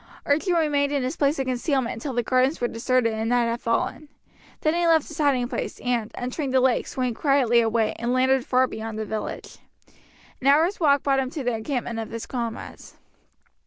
Archie remained in his place of concealment until the gardens were deserted and night had fallen. Then he left his hiding place, and, entering the lake, swam quietly away, and landed far beyond the village. An hour's walk brought him to the encampment of his comrades.